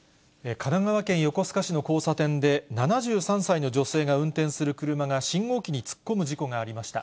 神奈川県横須賀市の交差点で、７３歳の女性が運転する車が信号機に突っ込む事故がありました。